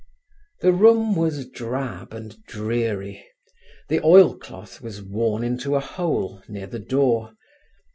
The room was drab and dreary. The oil cloth was worn into a hole near the door.